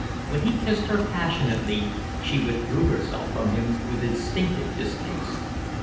When he kissed her passionately she withdrew herself from him with instinctive distaste.